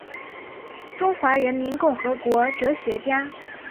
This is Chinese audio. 中华人民共和国哲学家。